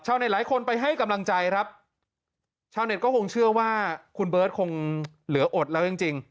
หลายคนไปให้กำลังใจครับชาวเน็ตก็คงเชื่อว่าคุณเบิร์ตคงเหลืออดแล้วจริงจริง